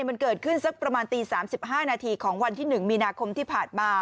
มันเกิดขึ้นสักประมาณตี๓๕นาทีของวันที่๑มีนาคมที่ผ่านมา